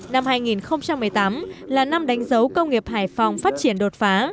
năm hai nghìn một mươi tám là năm đánh dấu công nghiệp hải phòng phát triển đột phá